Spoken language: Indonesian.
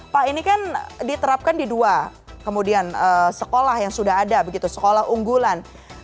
pak ini kan diterapkan di dua kemudian sekolah yang sudah ada begitu sekolah unggulan